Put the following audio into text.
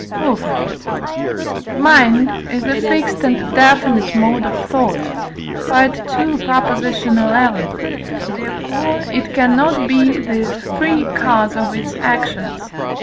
Proof. The mind is a fixed and definite mode of thought (II. xi.), therefore it cannot be the free cause of its actions (I.